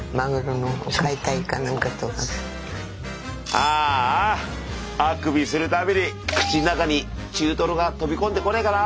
あああくびする度に口ん中に中トロが飛び込んでこねえかな。